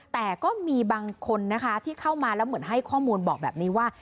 แต่ก็มีบางคนนะคะที่เข้ามาแล้วเหมือนให้ข้อมูลบอกแบบนี้ว่า